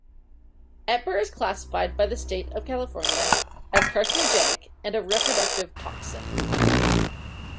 EtBr is classified by the State of California as carcinogenic and a reproductive toxin.